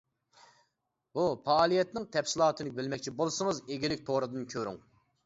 بۇ پائالىيەتنىڭ تەپسىلاتىنى بىلمەكچى بولسىڭىز ئىگىلىك تورىدىن كۆرۈڭ!